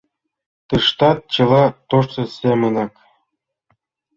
Тыштат чыла тошто семынак.